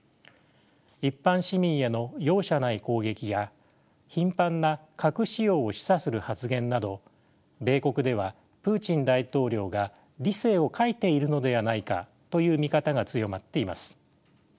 一般市民への容赦ない攻撃や頻繁な核使用を示唆する発言など米国ではプーチン大統領が理性を欠いているのではないかという見方が強まっています。